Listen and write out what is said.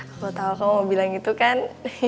aku tau kamu mau bilang gitu kan